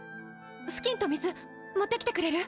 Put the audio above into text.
布巾と水持ってきてくれる？